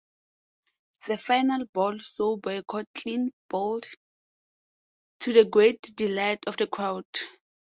The final ball saw Boycott clean bowled, to the great delight of the crowd.